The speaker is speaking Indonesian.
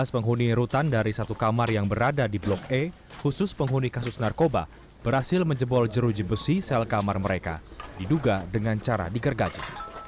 lima belas penghuni rutan dari satu kamar yang berada di blok e khusus penghuni kasus narkoba berhasil menjebol jeruji besi sel kamar mereka diduga dengan cara digergaji